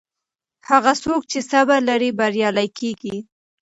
هغه څوک چې صبر لري بریالی کیږي.